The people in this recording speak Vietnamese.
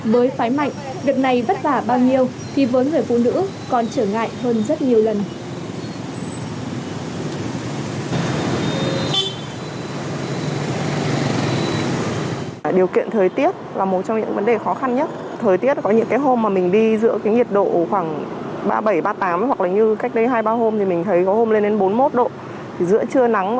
với phái mạnh đợt này vất vả bao nhiêu khi với người phụ nữ còn trở ngại hơn rất nhiều lần